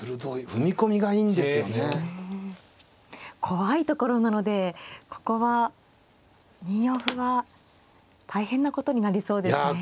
怖いところなのでここは２四歩は大変なことになりそうですね。